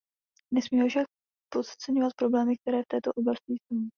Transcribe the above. Nesmíme však podceňovat problémy, které v této oblasti jsou.